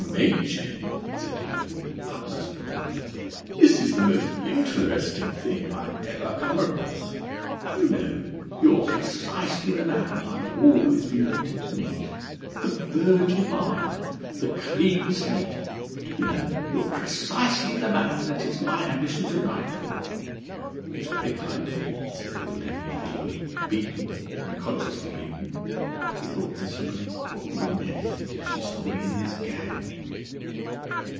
Machin," said he with the utmost benevolence. "This is the most interesting thing I've ever come across. Do you know, you're precisely the man I've always been wanting to meet? ... The virgin mind. The clean slate.... Do you know, you're precisely the man that it's my ambition to write for?" "It's very kind of you," said Edward Henry feebly, beaten, and consciously beaten. (He thought miserably: "What would Nellie think if she saw me in this gang?")